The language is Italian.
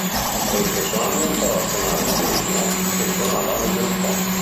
Quello stesso anno imparò a suonare il violino, che suonava nel gruppo.